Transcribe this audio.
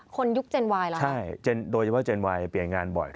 ยุคเจนวายแล้วใช่โดยเฉพาะเจนไวน์เปลี่ยนงานบ่อย